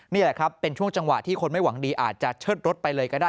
นี่แหละครับเป็นช่วงจังหวะที่คนไม่หวังดีอาจจะเชิดรถไปเลยก็ได้